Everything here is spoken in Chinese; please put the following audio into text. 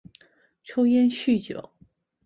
抽烟酗酒